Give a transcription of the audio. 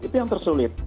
itu yang tersulit